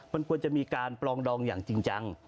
มันควรจะมีการปลองดองอย่างจริงจัง